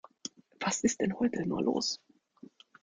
Was ist denn heute nur los?